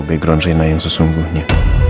background reina yang sesungguhnya